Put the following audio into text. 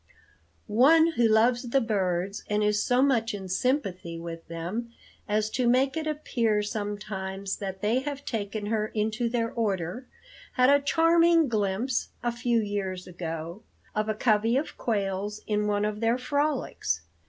One who loves the birds and is so much in sympathy with them as to make it appear sometimes that they have taken her into their "order," had a charming glimpse, a few years ago, of a covey of quails in one of their frolics.